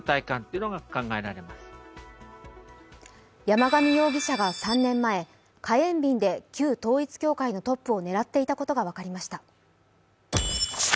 山上容疑者は３年前、火炎瓶で旧統一教会のトップを狙っていたことが分かりました。